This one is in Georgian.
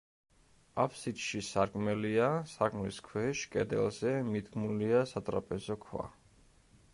აფსიდში სარკმელია, სარკმლის ქვეშ, კედელზე, მიდგმულია სატრაპეზო ქვა.